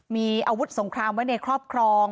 มีอาวุธสงครามไว้ในครอบครอง